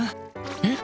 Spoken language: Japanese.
えっ！？